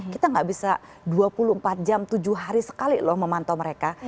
kita nggak bisa dua puluh empat jam tujuh hari sekali loh memantau mereka